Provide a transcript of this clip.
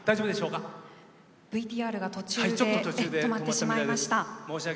ＶＴＲが途中で止まってしまいました。